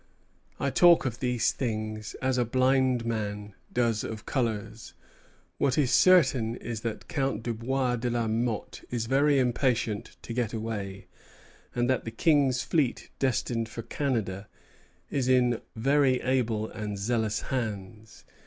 I talk of these things as a blind man does of colors. What is certain is that Count Dubois de la Motte is very impatient to get away, and that the King's fleet destined for Canada is in very able and zealous hands.